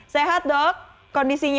sehat dok kondisinya